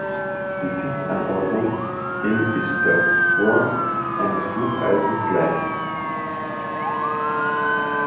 Die Sitzanordnung im ist der Form eines Hufeisens gleich.